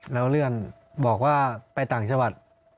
แล้วเลื่อนบอกว่าไปต่างจังหวัด